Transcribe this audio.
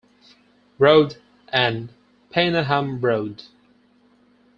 Road and Payneham Road.